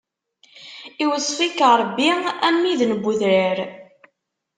Iweṣṣf-ik Ṛebbi am widen n wudrar.